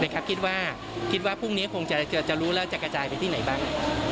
คิดว่าคิดว่าพรุ่งนี้คงจะรู้แล้วจะกระจายไปที่ไหนบ้าง